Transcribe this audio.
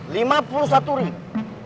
lima puluh satu ribu